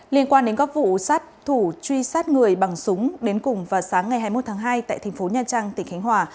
liên quan đến góp vụ sát thủ truy sát người bằng súng đến cùng vào sáng ngày hai mươi một tháng hai tại tp nha trang tỉnh khánh hòa